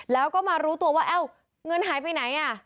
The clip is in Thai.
แล้วก็มารู้ตัวว่าเอ้าเงินหายไปไหนอ่ะ